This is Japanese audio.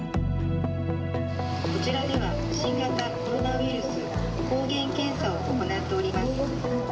こちらでは新型コロナウイルス抗原検査を行っております。